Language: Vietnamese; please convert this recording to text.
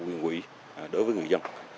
quyền quỹ đối với người dân